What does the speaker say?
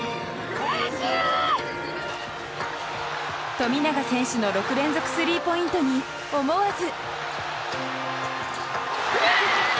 富永選手の６連続スリーポイントに思わず！